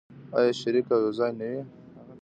آیا شریک او یوځای نه وي؟